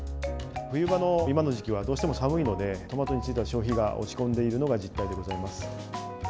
冬場の今の時期はどうしても寒いので、トマトについては、消費が落ち込んでいるのが実態でございます。